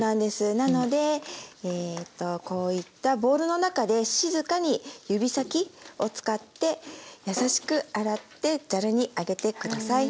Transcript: なのでこういったボウルの中で静かに指先を使って優しく洗ってざるに上げて下さい。